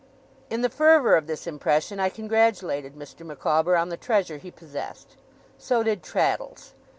In the fervour of this impression, I congratulated Mr. Micawber on the treasure he possessed. So did Traddles.